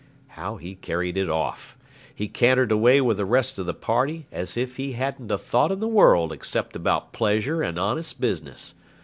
How he carried it off! He cantered away with the rest of the party, as if he hadn't a thought in the world except about pleasure and honest business.